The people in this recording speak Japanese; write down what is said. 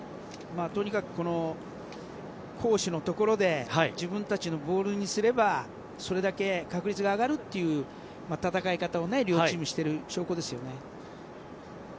とにかく、攻守のところで自分たちのボールにすればそれだけ確率が上がるっていう戦い方を両チームしている証拠ですね。